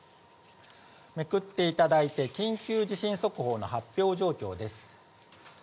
めくっていただいて、緊急地震速報の発表状況です。